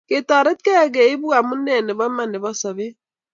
Ketoretkei koipu amune nebo iman nebo sopet